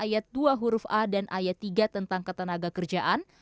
ayat dua huruf a dan ayat tiga tentang ketenaga kerjaan